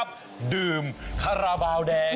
พร้อมป่าว